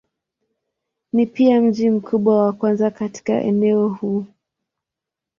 Ni pia mji mkubwa wa kwanza katika eneo huu.